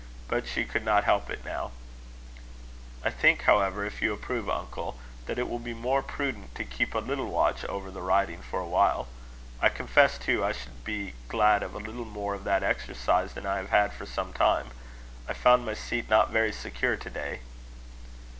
But she could not help it now. "I think, however, if you approve, uncle, that it will be more prudent to keep a little watch over the riding for a while. I confess, too, I should be glad of a little more of that exercise than I have had for some time: I found my seat not very secure to day."